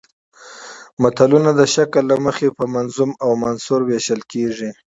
متلونه د شکل له مخې په منظوم او منثور ویشل کېږي